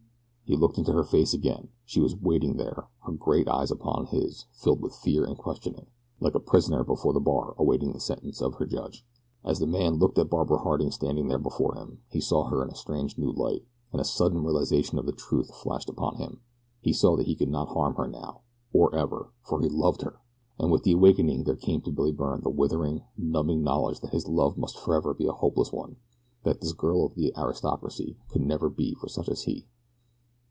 He looked into her face again. She was waiting there, her great eyes upon his filled with fear and questioning, like a prisoner before the bar awaiting the sentence of her judge. As the man looked at Barbara Harding standing there before him he saw her in a strange new light, and a sudden realization of the truth flashed upon him. He saw that he could not harm her now, or ever, for he loved her! And with the awakening there came to Billy Byrne the withering, numbing knowledge that his love must forever be a hopeless one that this girl of the aristocracy could never be for such as he.